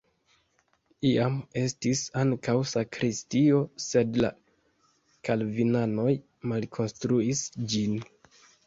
Iam estis ankaŭ sakristio, sed la kalvinanoj malkonstruis ĝin.